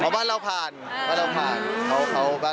บ้านเราผ่านบ้านเราผ่าน